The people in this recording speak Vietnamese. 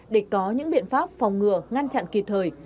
để có những biện pháp phòng ngừa ngăn chặn kịp thời